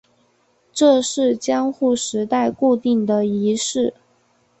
这是江户时代固定的仪式。